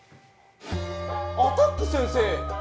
アタック先生！